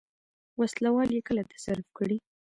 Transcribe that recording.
وسله وال یې کله تصرف کړي.